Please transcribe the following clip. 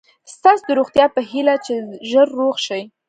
ستاسو د روغتیا په هیله چې ژر روغ شئ.